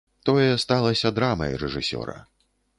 Тое сталася драмай рэжысёра.